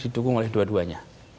didukung oleh dua duanya